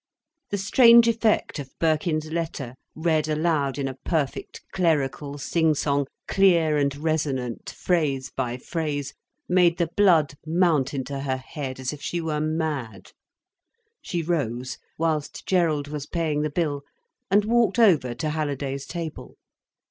The strange effect of Birkin's letter read aloud in a perfect clerical sing song, clear and resonant, phrase by phrase, made the blood mount into her head as if she were mad. She rose, whilst Gerald was paying the bill, and walked over to Halliday's table.